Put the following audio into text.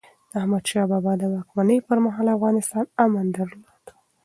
د احمد شاه بابا د واکمنۍ پرمهال، افغانستان امن درلود.